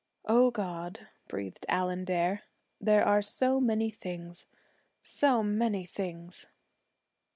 'O God!' breathed Allan Dare, 'there are so many things so many things!'